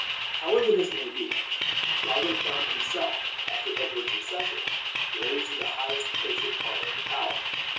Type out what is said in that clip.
However this may be, Godwin found himself, after Edward's accession, raised to the highest pitch of honor and power.